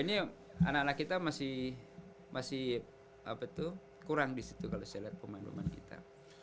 ini anak anak kita masih kurang disitu kalau saya lihat komandoman kita